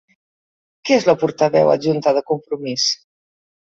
Qui és la portaveu adjunta de Compromís?